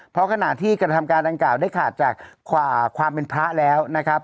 เพราะขณะที่กระทำการดังกล่าวได้ขาดจากความเป็นพระแล้วนะครับ